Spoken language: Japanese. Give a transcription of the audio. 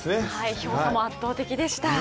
票差も圧倒的でした。